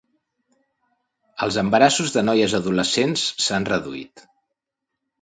Els embarassos de noies adolescents s'han reduït.